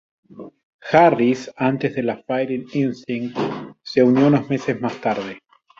Harris antes de la Fighting Instinct se unió unos meses más tarde.